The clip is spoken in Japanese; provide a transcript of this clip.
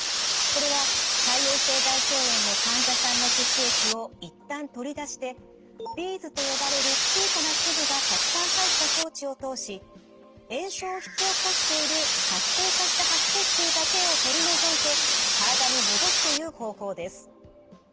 これは潰瘍性大腸炎の患者さんの血液を一旦取り出してビーズと呼ばれる小さな粒がたくさん入った装置を通し炎症を引き起こしている活性化した白血球だけを取り除いて体に戻すという方法です。